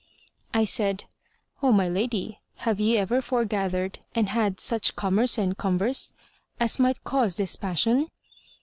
I said, "O my lady, have ye ever foregathered and had such commerce and converse as might cause this passion?"